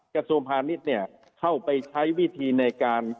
กระทรวงพาณิชย์เนี่ยเข้าไปใช้วิธีในการ